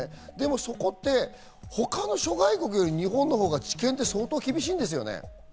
そこって他の諸外国より日本のほうが治験って厳しいんですよね。